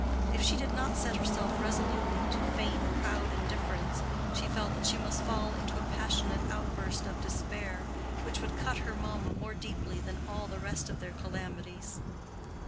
If she did not set herself resolutely to feign proud indifference, she felt that she must fall into a passionate outburst of despair, which would cut her mamma more deeply than all the rest of their calamities.